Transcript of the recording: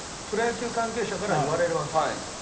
プロ野球関係者から言われるわけ。